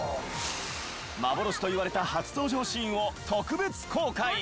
幻といわれた初登場シーンを特別公開！